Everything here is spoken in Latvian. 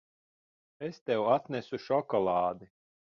Es tev atnesu šokolādi.